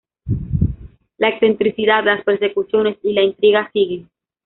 La excentricidad, las persecuciones y la intriga siguen.